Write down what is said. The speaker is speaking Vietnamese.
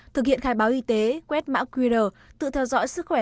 thực hiện khai báo y tế quét mã qr tự theo dõi sức khỏe